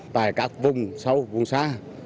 tại các vùng sâu vùng xa